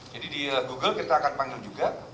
jadi di google kita akan panggil juga